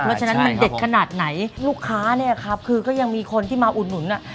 เพราะฉะนั้นมันเด็ดขนาดไหนลูกค้าเนี่ยครับคือก็ยังมีคนที่มาอุดหนุนอ่ะ